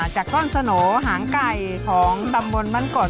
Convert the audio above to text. จากก้อนสโหนหางไก่ของตำบลมันกด